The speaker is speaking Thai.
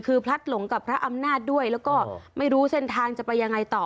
คือพลัดหลงกับพระอำนาจด้วยแล้วก็ไม่รู้เส้นทางจะไปยังไงต่อ